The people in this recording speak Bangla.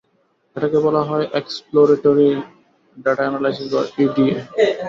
এটাকে বলা হয় এক্সপ্লোরেটেরি ডেটা এনালাইসিস বা ইডিএ।